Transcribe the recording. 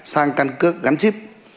sang căn cước gắn chip